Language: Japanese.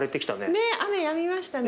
雨やみましたね。